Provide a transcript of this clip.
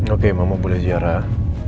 oke mama boleh ziarah